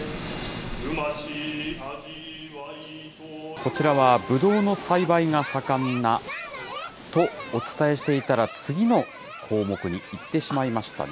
こちらは、ぶどうの栽培が盛んなとお伝えしていたら、次の項目にいってしまいましたね。